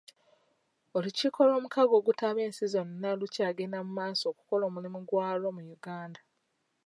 Olukkiko lw'omukago ogutaba ensi zonna lukyagenda mu maaso okukola omulimu gwalwo mu Uganda.